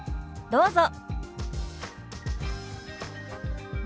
どうぞ。